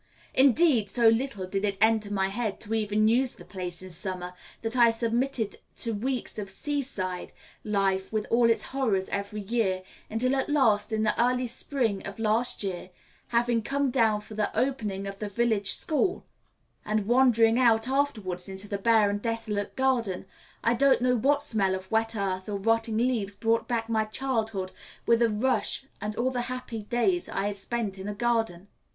Indeed, so little did it enter my head to even use the place in summer, that I submitted to weeks of seaside life with all its horrors every year; until at last, in the early spring of last year, having come down for the opening of the village school, and wandering out afterwards into the bare and desolate garden, I don't know what smell of wet earth or rotting leaves brought back my childhood with a rush and all the happy days I had spent in a garden.